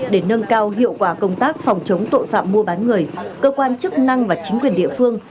để nâng cao hiệu quả công tác phòng chống tội phạm mua bán người cơ quan chức năng và chính quyền địa phương